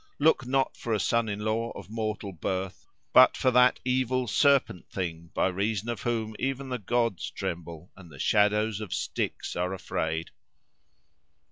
Look not for a son in law of mortal birth; but for that evil serpent thing, by reason of whom even the gods tremble and the shadows of Styx are afraid."